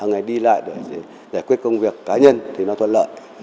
giải quyết công việc cá nhân thì nó thuận lợi